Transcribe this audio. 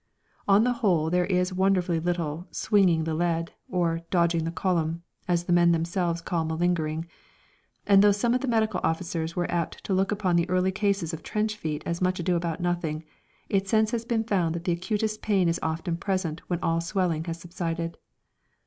On the whole there is wonderfully little "swinging the lead" or "dodging the column," as the men themselves call malingering; and though some of the medical officers were apt to look upon the early cases of trench feet as much ado about nothing, it has since been found that the acutest pain is often present when all swelling has subsided.